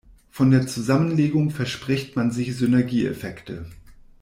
Von der Zusammenlegung verspricht man sich Synergieeffekte.